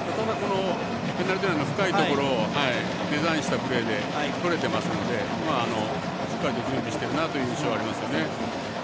ペナルティーエリアの近いところでデザインしたプレーがとれてますので、しっかりと準備してるなという印象がありますね。